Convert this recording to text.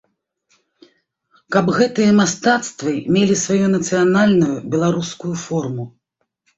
Каб гэтыя мастацтвы мелі сваю нацыянальную, беларускую форму.